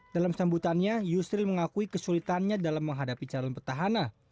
dalam sambutannya yusril mengakui kesulitannya dalam menghadapi calon petahana